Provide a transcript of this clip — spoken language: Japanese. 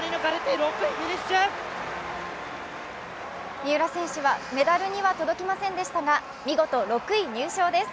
三浦選手はメダルには届きませんでしたが、見事６位入賞です。